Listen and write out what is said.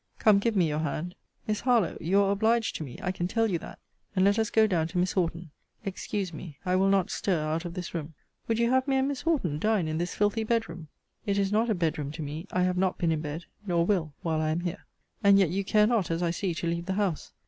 Come, give me your hand. Miss Harlowe: you are obliged to me, I can tell you that: and let us go down to Miss Horton. Excuse me: I will not stir out of this room. Would you have me and Miss Horton dine in this filthy bed room? It is not a bed room to me. I have not been in bed; nor will, while I am here. And yet you care not, as I see, to leave the house.